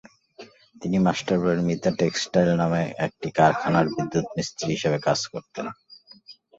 তিনি মাস্টারবাড়ির মিতা টেক্সটাইল নামের একটি কারখানার বিদ্যুৎমিস্ত্রি হিসেবে কাজ করতেন।